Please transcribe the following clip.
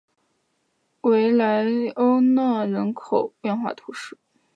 维莱欧讷人口变化图示